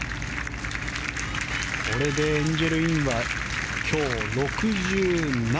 これでエンジェル・インは今日、６７。